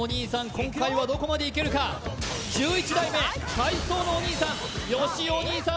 今回はどこまでいけるか１１代目体操のお兄さんよしお兄さん